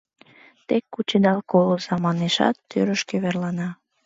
Тек кучедал колыза, — манешат, тӱрышкӧ верлана.